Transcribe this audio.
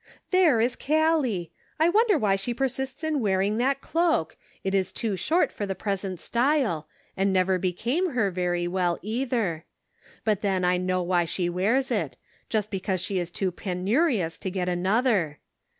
" There is Gallic ! I wonder why she per sists in wearing that cloak? It is too short for the present style, and never became her very well, either. But then I know why she wears it ; just because she is too penurious to get another.